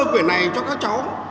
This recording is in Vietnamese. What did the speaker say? cái này cho các cháu